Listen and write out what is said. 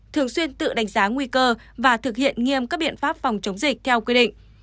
thường xuyên tự đánh giá nguy cơ và thực hiện nghiêm các biện pháp phòng chống dịch theo quy định